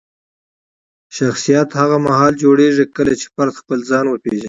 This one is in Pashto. شخصیت هغه مهال جوړېږي کله چې فرد خپل ځان وپیژني.